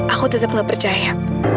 aku tetep gak percaya